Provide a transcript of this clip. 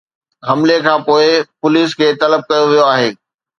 حملي کانپوءِ پوليس کي طلب ڪيو ويو آهي